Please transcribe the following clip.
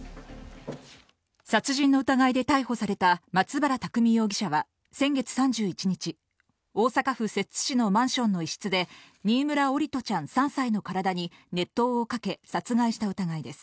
殺人の疑いで逮捕された松原拓海容疑者は先月３１日、大阪府摂津市のマンションの一室で新村桜利斗ちゃん、３歳の体に熱湯をかけ殺害した疑いです。